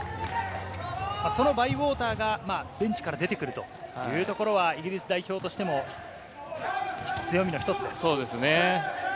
そのバイウォーターがベンチから出てくるというところはイギリス代表としても強みの一つです。